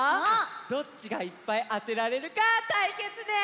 どっちがいっぱいあてられるかたいけつです！